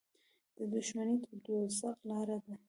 • دښمني د دوزخ لاره ده.